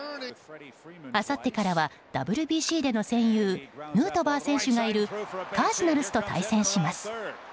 あさってからはＷＢＣでの戦友ヌートバー選手がいるカージナルスと対戦します。